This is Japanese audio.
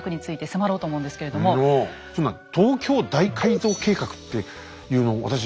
そんな東京大改造計画っていうの私